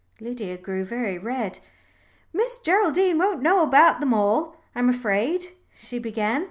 Lydia grew very red. "Miss Geraldine won't know about them all, I'm afraid," she began.